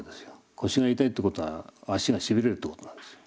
腰が痛いってことは足がしびれるってことなんですよ。